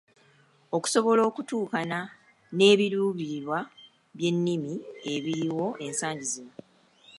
Okusobola okutuukana n'ebiruubirirwa by'ennimi ebiriwo ensangi zino.